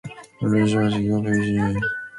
A large conference room has been a recent addition.